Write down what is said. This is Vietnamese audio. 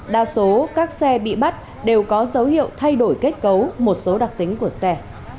đa số các xe bị bắt đều có dấu hiệu thay đổi kết cấu một số đặc tính của xe